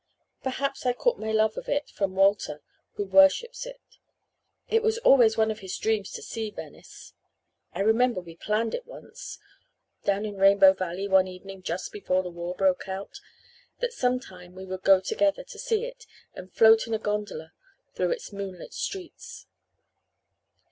Perhaps I caught my love of it from Walter, who worshipped it. It was always one of his dreams to see Venice. I remember we planned once down in Rainbow Valley one evening just before the war broke out that some time we would go together to see it and float in a gondola through its moonlit streets.